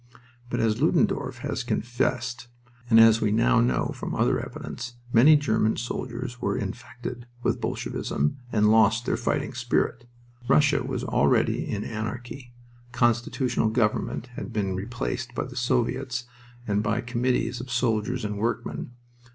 But as Ludendorff has confessed, and as we now know from other evidence, many German soldiers were "infected" with Bolshevism and lost their fighting spirit. Russia was already in anarchy. Constitutional government had been replaced by the soviets and by committees of soldiers and workmen.